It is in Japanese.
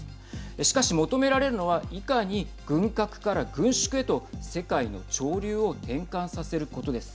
しかし求められるのはいかに軍拡から軍縮へと世界の潮流を転換させることです。